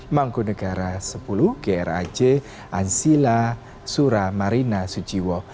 mangkunagara sepuluh gera j ansila sura marina sujiwo